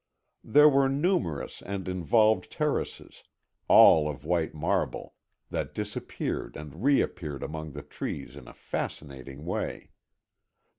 There were numerous and involved terraces, all of white marble, that disappeared and reappeared among the trees in a fascinating way.